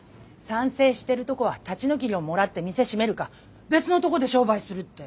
賛成してるとこは立ち退き料もらって店閉めるか別のとこで商売するって。